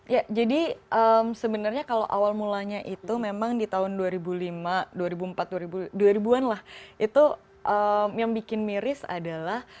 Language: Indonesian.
ya jadi sebenarnya kalau awal mulanya itu memang di tahun dua ribu lima dua ribu empat dua ribu an lah itu yang bikin miris adalah